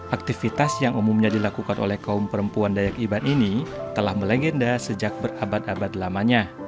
aktivitas yang umumnya dilakukan oleh kaum perempuan dayak iban ini telah melegenda sejak berabad abad lamanya